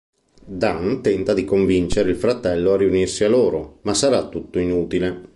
Dan tenta di convincere il fratello a riunirsi a loro, ma sarà tutto inutile.